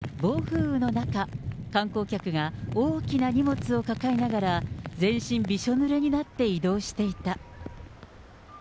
ＪＲ函館駅前では、暴風雨の中、観光客が大きな荷物を抱えながら、全身びしょぬれになって移動していた。